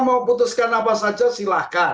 mau putuskan apa saja silahkan